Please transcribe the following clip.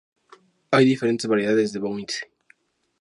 Hay diferentes variedades de Bounty.